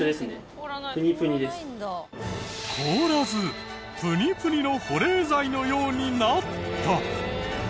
凍らずプニプニの保冷剤のようになった。